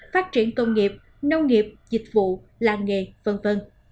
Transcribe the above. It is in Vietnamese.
phát triển công nghiệp nông nghiệp dịch vụ làng nghề v v